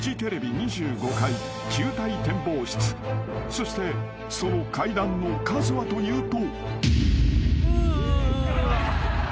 ［そしてその階段の数はというと］